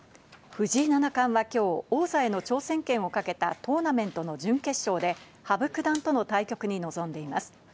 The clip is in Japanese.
藤井七冠はきょう、王座への挑戦権をかけたトーナメントの準決勝で羽生九段との対局に臨んでいます。